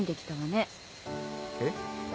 えっ？